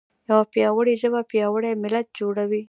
یوه پیاوړې ژبه پیاوړی ملت جوړوي.